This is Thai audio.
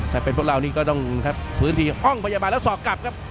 ถ้าเป็นพวกเรานี่ก็ต้องฟื้นทีอ้องพยาบาลแล้วสอกกลับครับ